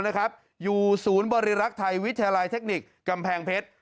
อยู่ศูนย์บริรักษ์ไทยวิทยาลัยเทคนิคกำแพงเพชร